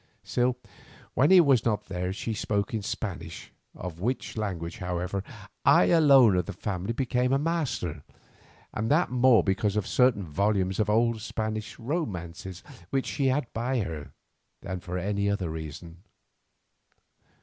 Still, when he was not there she spoke in Spanish, of which language, however, I alone of the family became a master—and that more because of certain volumes of old Spanish romances which she had by her, than for any other reason.